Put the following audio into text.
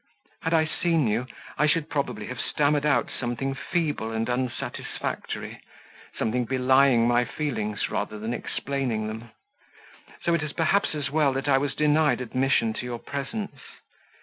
Had I seen you, I should probably have stammered out something feeble and unsatisfactory something belying my feelings rather than explaining them; so it is perhaps as well that I was denied admission to your presence.